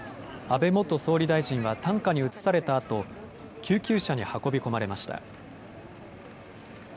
安倍元総理大臣は担架に移されたあと、救急車に運び込まれました。